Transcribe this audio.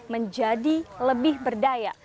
menjadi lebih berdaya